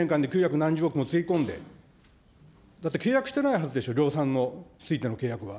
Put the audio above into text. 何十億もつぎ込んで、だって契約してないはずでしょ、量産についての契約は。